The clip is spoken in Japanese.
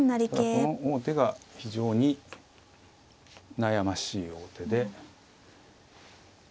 この王手が非常に悩ましい王手で。